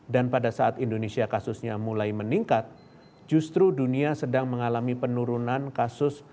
dan pada saat indonesia kasusnya mulai meningkat justru dunia sedang mengalami penurunan kasus